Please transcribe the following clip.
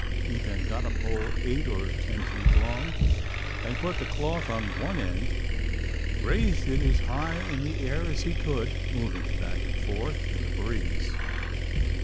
He then got a pole eight or ten feet long and put the cloth on one end, raised it as high in the air as he could, moving it back and forth in the breeze.